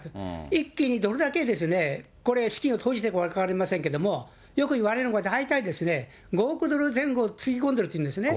一気にどれだけ、これ資金を投じてるか分かりませんけど、よく言われるのは、大体５億ドル前後をつぎ込んでるっていうんですね。